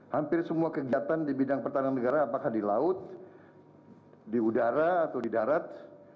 hampir semua kegiatan di bidang pertahanan negara apakah di laut di udara atau di darat